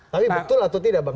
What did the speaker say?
tapi betul atau tidak bang